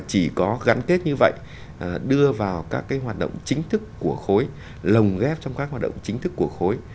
trong các hoạt động chính thức của khối lồng ghép trong các hoạt động chính thức của khối